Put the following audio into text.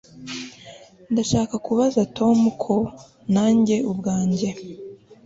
Ndashaka kubaza Tom ko nanjye ubwanjye